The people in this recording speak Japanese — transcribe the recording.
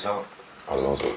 ありがとうございます。